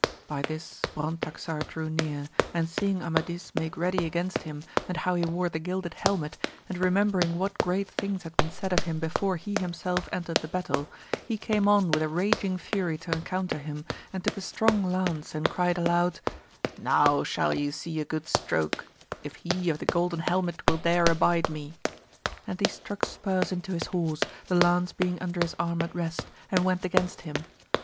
By this Brontaxar drew near, and seeing Amadis make ready against him, and how he wore the gilded helmet, and remem bering what great things had been said of him before he himself entered the battle, he came on with a raging fury to encounter him, and took a strong lance and cried aloud, Now shall ye see a good stroke, if he of the golden helmet will dare abide me; and he struck spurs into his horse, the lance being under his arm at rest, and went against him.